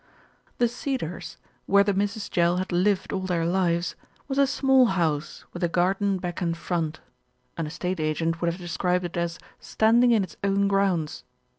The Cedars, where the Misses Jell had lived all their lives, was a small house with a garden back and front, an estate agent would have described it as "standing in its own grounds."